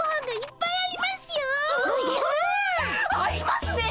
ありますね！